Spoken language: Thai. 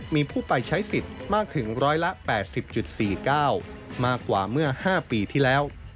มีผู้ไปใช้สิทธิ์มากถึง๑๘๐๔๙มากกว่าเมื่อ๕ปีที่แล้ว